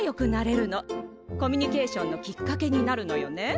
コミュニケーションのきっかけになるのよね。